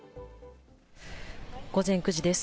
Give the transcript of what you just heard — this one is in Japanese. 午前９時です。